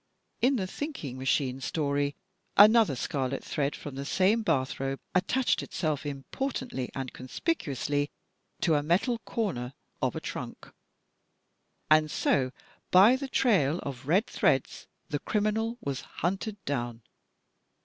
In the Thinking Machine story, another scarlet thread from the same bath robe attached itself importantly and conspicuously to a metal corner of a trunk, and so by the trail of red threads DEVIOUS DEVICES 177 the criminal was hunted down.